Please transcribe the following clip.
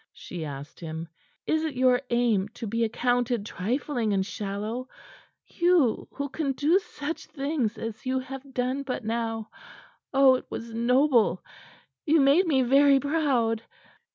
she asked him. "Is it your aim to be accounted trifling and shallow you who can do such things as you have done but now? Oh, it was noble! You made me very proud."